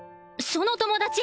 その友達